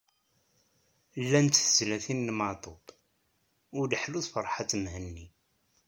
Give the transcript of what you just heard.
Llant tezlatin n Maɛtub, Uleḥlu d Ferḥat Mhenni.